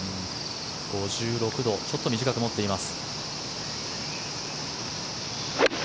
５６度ちょっと短く持っています。